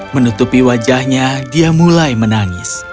menutupi wajahnya dia mulai menangis